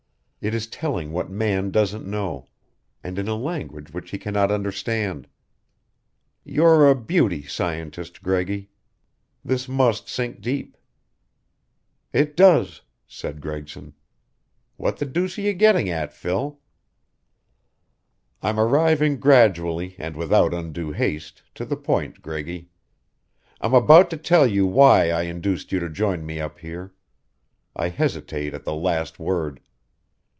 It is telling what man doesn't know, and in a language which he cannot understand. You're a beauty scientist, Greggy. This must sink deep." "It does," said Gregson. "What the deuce are you getting at, Phil?" "I'm arriving gradually and without undue haste to the point, Greggy. I'm about to tell you why I induced you to join me up here. I hesitate at the last word.